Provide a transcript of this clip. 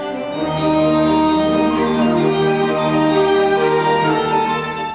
อาหารอาหาร